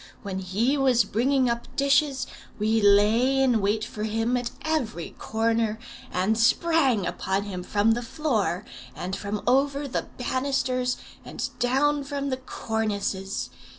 When he was bringing up dishes, we lay in wait for him at every corner, and sprang upon him from the floor, and from over the banisters, and down from the cornices.